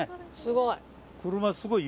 すごい。